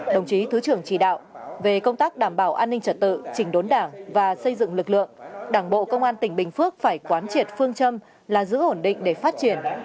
đồng chí thứ trưởng chỉ đạo về công tác đảm bảo an ninh trật tự trình đốn đảng và xây dựng lực lượng đảng bộ công an tỉnh bình phước phải quán triệt phương châm là giữ ổn định để phát triển